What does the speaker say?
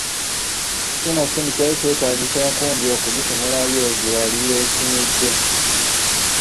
Sinakindi kyali kyetaagisa enkumbi okugisimulayo gye yali yeesimidde!